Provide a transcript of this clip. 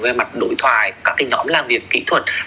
về mặt đổi thoại các cái nhóm làm việc kỹ thuật